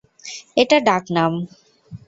এটা ডাক নাম।